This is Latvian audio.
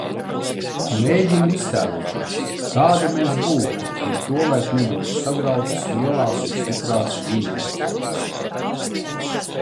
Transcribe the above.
Mēģinu iztēloties, kādi mēs būtu, ja tolaik nebūtu sagrautas lielās un stiprās ģimenes.